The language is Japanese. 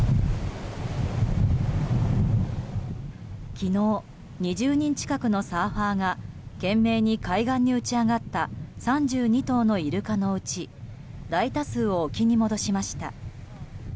昨日、２０人近くのサーファーが懸命に、海岸に打ち揚がった３２頭のイルカのうち大多数を沖に戻しました。